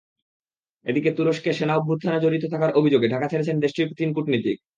এদিকে তুরস্কে সেনা অভ্যুত্থানে জড়িত থাকার অভিযোগে ঢাকা ছেড়েছেন দেশটির তিন কূটনীতিক।